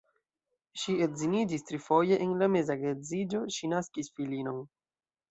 Ŝi edziniĝis trifoje, en la meza geedziĝo ŝi naskis filinon.